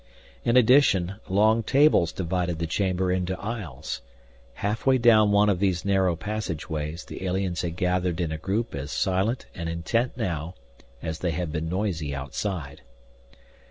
In addition, long tables divided the chamber into aisles. Halfway down one of these narrow passageways the aliens had gathered in a group as silent and intent now as they had been noisy outside.